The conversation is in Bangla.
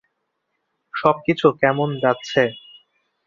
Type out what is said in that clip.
সবকিছু কেমন যাচ্ছে?